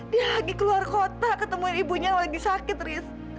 dia lagi ke luar kota ketemui ibunya yang lagi sakit riz